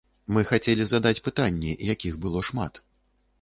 Мы хацелі задаць пытанні, якіх было шмат.